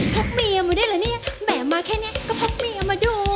พกมีเอามาด้วยเหรอเนี่ยแบบมาแค่นี้ก็พกมีเอามาดู